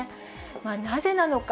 なぜなのか。